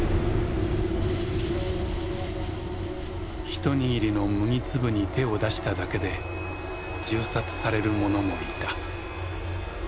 一握りの麦粒に手を出しただけで銃殺される者もいた。